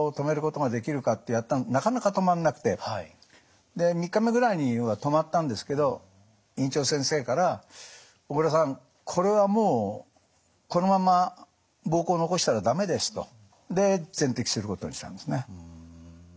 なかなか止まんなくてで３日目ぐらいには止まったんですけど院長先生から「小倉さんこれはもうこのまんま膀胱残したら駄目です」と。で全摘することにしたんですね。